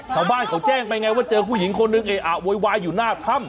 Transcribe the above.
จากแบบเค้าแจ้งไปไงว่าเจอผู้หญิงคนนึงโอ้ยวายอยู่หน้าถ้ำ